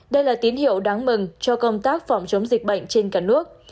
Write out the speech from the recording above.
đây là tín hiệu đáng mừng cho công tác phòng chống dịch bệnh trên cả nước